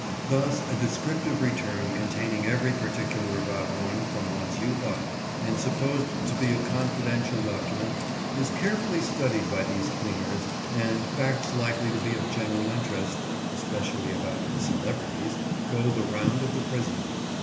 Thus a descriptive return containing every particular about one from one's youth up, and supposed to be a confidential document, is carefully studied by these cleaners, and facts likely to be of general interest—especially about "celebrities"—go the round of the prison.